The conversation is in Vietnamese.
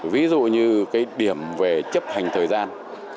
ví dụ như cái điểm về chấp hành thời gian